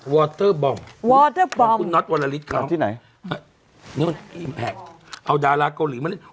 เตอร์บอมวอเตอร์บอมคุณน็อตวรลิศเขาที่ไหนนู่นอิมแพคเอาดาราเกาหลีมาเล่น